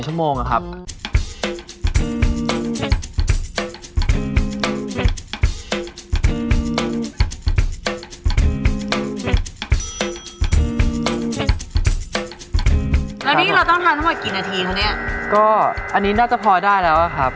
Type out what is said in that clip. แล้วนี่เราต้องทานทั้งหมดกี่นาทีคะเนี่ยก็อันนี้น่าจะพอได้แล้วอะครับ